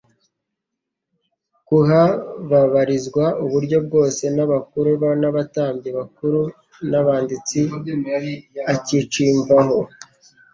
kuhababarizwa uburyo bwose n'abakuru n'abatambyi bakuru n'abanditsi akicinvayo